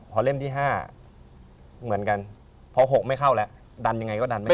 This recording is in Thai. พอเล่มที่๕เหมือนกันพอ๖ไม่เข้าแล้วดันยังไงก็ดันไม่